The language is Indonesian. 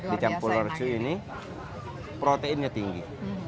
di campur lorju ini proteinnya tinggi